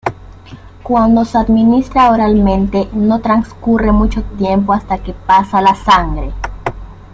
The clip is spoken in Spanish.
Cuando se administra oralmente, no transcurre mucho tiempo hasta que pasa a la sangre.